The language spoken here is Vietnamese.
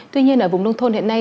tuy nhiên ở vùng nông thôn hiện nay